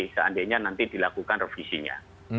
seandainya nanti dilakukan revisinya